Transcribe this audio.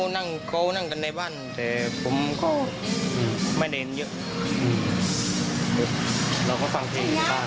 นั่นที่ผมยึดจำได้